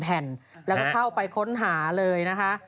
แล้วก็เข้าไปค้นหาเลยนะฮะ